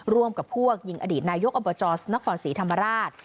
ร่วมกับพวกยิงอดีตนายกอบจนครศรีธรรมราช